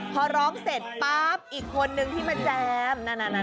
พอร้องเสร็จปั๊บอีกคนนึงที่มาแจม